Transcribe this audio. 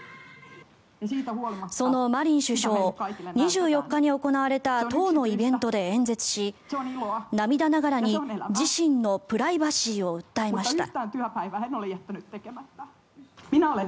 その、マリン首相２４日に行われた党のイベントで演説し涙ながらに自身のプライバシーを訴えました。